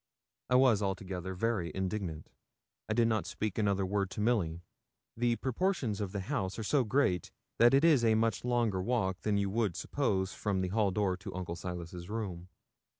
I was altogether very indignant. I did not speak another word to Milly. The proportions of the house are so great, that it is a much longer walk than you would suppose from the hall door to Uncle Silas's room.